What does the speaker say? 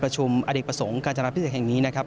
ประชุมอเด็กประสงค์การจำนำพิษัทแห่งนี้นะครับ